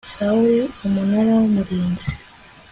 sawuli umunara w umurinzi